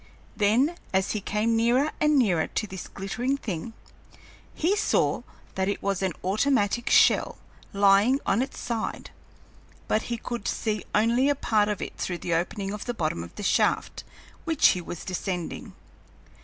Then, as he came nearer and nearer to this glittering thing, he saw that it was his automatic shell, lying on its side, but he could see only a part of it through the opening of the bottom of the shaft which he was descending.